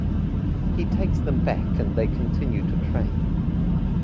He takes them back and they continue to train.